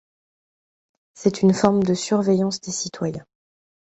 C'est une forme de surveillance des citoyens.